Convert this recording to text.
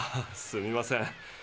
すみません。